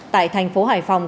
tại thành phố hải phòng